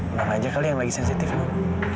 emang aja kali yang lagi sensitif non